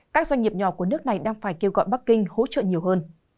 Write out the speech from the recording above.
các doanh nghiệp nhỏ của nước này đang phải kêu gọi bắc kinh hỗ trợ nhiều hơn